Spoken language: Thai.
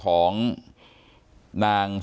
ขอบคุณมากครับขอบคุณมากครับ